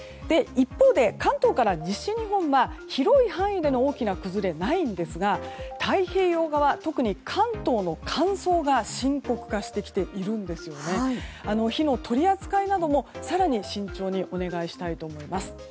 一方で、関東から西日本は広い範囲での大きな崩れはないんですが、太平洋側特に関東の乾燥が深刻化してきているんです。火の取り扱いなども更に慎重にお願いしたいと思います。